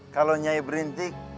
kalau nyai berintik